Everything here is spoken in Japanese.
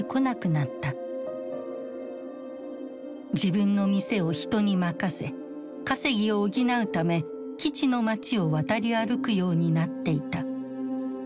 自分の店を人に任せ稼ぎを補うため基地の街を渡り歩くようになっていた。